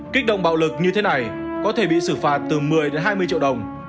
kích động bạo lực như thế này có thể bị xử phạt từ một mươi đến hai mươi triệu đồng